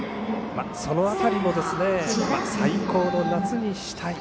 その辺りも最高の夏にしたい。